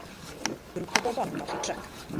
Grŵp o bobl yn golchi trỳc.